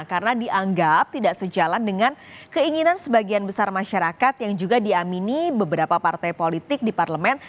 karena dianggap tidak sejalan dengan keinginan sebagian besar masyarakat yang juga diamini beberapa partai politik di parlemen